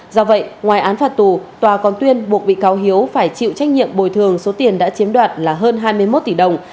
do vậy ngoài án phạt tù tòa còn tuyên buộc bị cáo hiếu phải chịu trách nhiệm bồi thường số tiền đã chiếm đoạt là hơn hai mươi một tỷ đồng